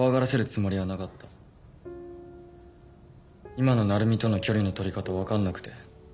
今の成海との距離の取り方分かんなくて。